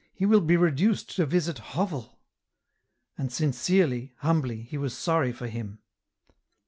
He will be reduced to visit hovel." And sincerely, humbly, he was sorry for Him.